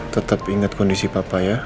tetap ingat kondisi papa ya